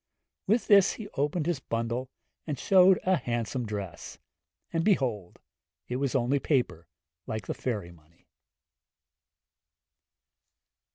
With this he opened his bundle, and showed a handsome dress; and behold, it was only paper, like the fairy money.